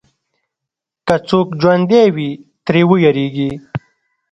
که څوک ژوندی وي، ترې وېرېږي.